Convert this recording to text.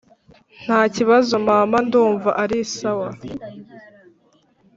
Nta kibazo mama ndumva arisawa.